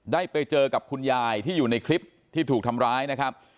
ได้ไปเจอกับคุณยายที่อยู่ในคลิปที่ถูกทำร้ายนะครับ